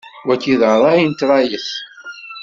Wagi d ṛṛay n tṛayet.